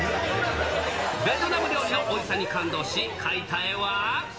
ベトナム料理のおいしさに感動し、描いた絵は。